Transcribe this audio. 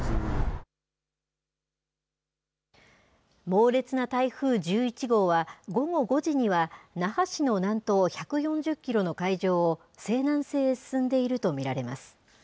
猛烈な台風１１号は、午後５時には、那覇市の南東１４０キロの海上を西南西へ進んでいると見られます。